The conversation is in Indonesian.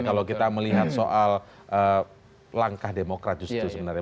kalau kita melihat soal langkah demokrat justru sebenarnya